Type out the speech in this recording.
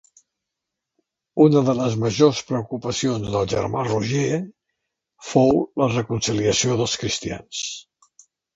Una de les majors preocupacions del germà Roger fou la reconciliació dels cristians.